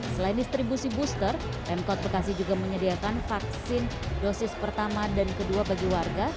selain distribusi booster pemkot bekasi juga menyediakan vaksin dosis pertama dan kedua bagi warga